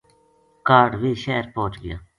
کاہڈ ویہ شہر پوہچ گیا